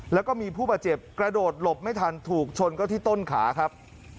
แล้วก็มีผู้บาดเจ็บกระโดดหลบไม่ทันถูกชนก็ที่ต้นขาครับ